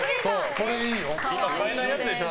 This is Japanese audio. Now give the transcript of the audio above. これいいよ。